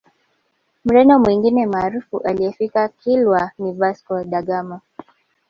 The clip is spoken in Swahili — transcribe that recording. Mreno mwingine maarufu aliyefika Kilwa ni Vasco da Gama